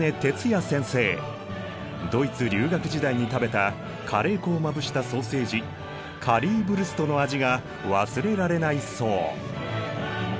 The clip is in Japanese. ドイツ留学時代に食べたカレー粉をまぶしたソーセージカリーヴルストの味が忘れられないそう。